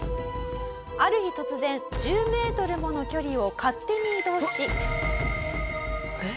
ある日突然１０メートルもの距離を勝手に移動し。